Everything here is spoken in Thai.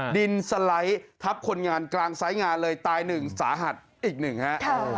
ดินสไลด์ทับคนงานกลางสายงานเลยตายหนึ่งสาหัสอีกหนึ่งฮะ